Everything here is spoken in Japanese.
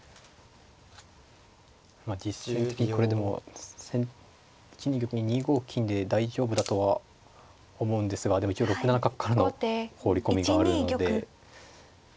実戦的にこれでも１二玉に２五金で大丈夫だとは思うんですがでも６七角からの放り込みがあるので。